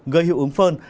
gây hiệu ứng phơn